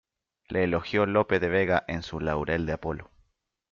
Le elogió Lope de Vega en su "Laurel de Apolo".